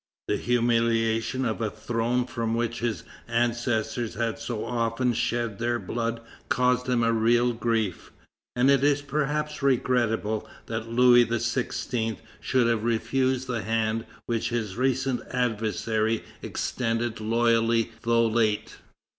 The humiliation of a throne for which his ancestors had so often shed their blood caused him a real grief, and it is perhaps regrettable that Louis XVI. should have refused the hand which his recent adversary extended loyally though late.